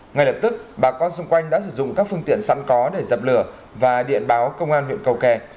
ngay lập tức bà con xung quanh đã sử dụng các phương tiện sẵn có để dập lửa và điện báo công an huyện cầu kè